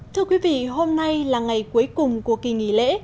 thưa quý vị hôm nay là ngày cuối cùng của kỳ nghỉ lễ